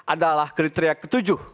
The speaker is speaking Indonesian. adalah kriteria ke tujuh